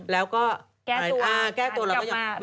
แล้วก็แก้ตัวแล้วก็ยอม